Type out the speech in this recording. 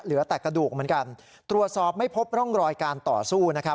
เหลือแต่กระดูกเหมือนกันตรวจสอบไม่พบร่องรอยการต่อสู้